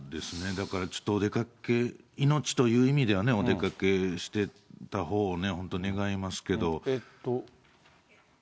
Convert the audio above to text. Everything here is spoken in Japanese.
だからちょっとお出かけ、命という意味ではお出かけしてたほうをね、本当、願いますけど。